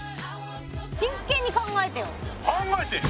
真剣に考えてよ！